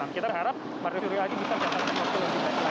kita berharap mario suryo aji bisa mencatatkan waktu yang terakhir lagi